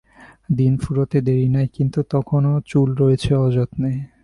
দিন ফুরোতে দেরি নেই, কিন্তু তখনও চুল রয়েছে অযত্নে।